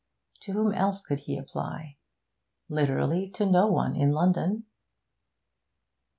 To whom else could he apply? Literally, to no one in London.